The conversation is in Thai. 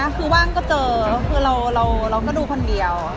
คือคือว่างบอกก็เจอ